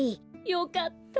よかった。